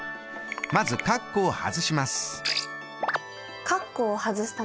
まずカッコを外します。